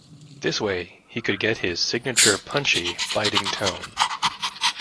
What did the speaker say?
This way he could get his signature punchy, biting tone.